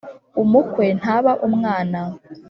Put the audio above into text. Umukwe ntaba umwana.